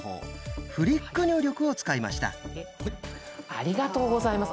ありがとうございます。